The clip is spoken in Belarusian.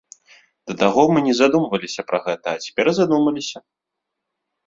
Да таго мы не задумваліся пра гэта, а цяпер задумаліся.